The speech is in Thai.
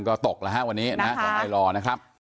ก็ตกแล้วฮะวันนี้ขอให้รอนะครับ